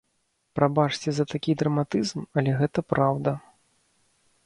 Прабачце за такі драматызм, але гэта праўда.